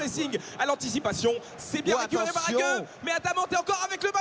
สุดยอดไปเลย